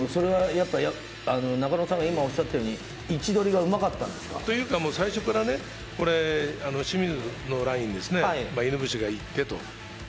それはやはり、中野さんが今言ったように位置取りが甘かったんですか？というか、最初から清水のラインですね、犬伏が行ってと。